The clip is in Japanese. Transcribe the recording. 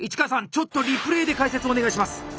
ちょっとリプレーで解説お願いします！